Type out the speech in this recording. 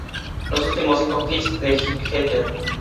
Los últimos cinco hits de Jeter.